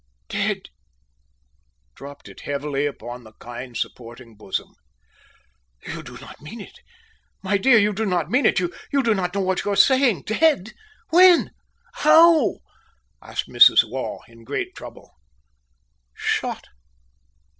dead!" dropped it heavily again upon the kind, supporting bosom. "You do not mean it! My dear, you do not mean it! You do not know what you are saying! Dead! when? how?" asked Mrs. Waugh, in great trouble. "Shot!